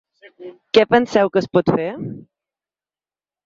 Què penseu que es pot fer?